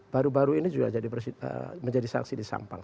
baru baru ini juga menjadi saksi di sampang